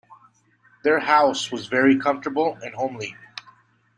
Their house was very comfortable and homely